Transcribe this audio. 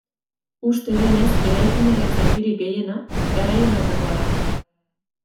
Uste denez, eraikinaren zatirik gehiena, garai honetakoa da.